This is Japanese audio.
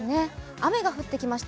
雨が降ってきました。